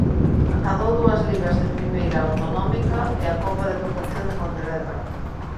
Acadou dúas ligas de Primeira Autonómica e a Copa Deputación de Pontevedra.